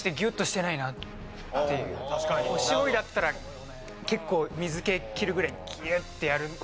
おしぼりだったら結構水気切るぐらいギュッてやるのかなって。